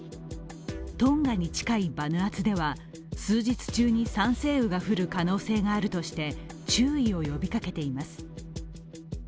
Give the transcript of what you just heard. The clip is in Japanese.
トンガに近いバヌアツでは数日中に酸性雨が降る可能性があるとして注意を呼びかけています。